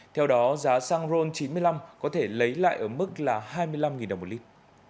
theo đó giá xăng ron chín mươi năm có thể lấy lại ở mức là hai mươi năm đồng một lít